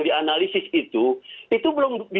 dianalisis itu itu belum